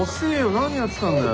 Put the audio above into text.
何やってたんだよ。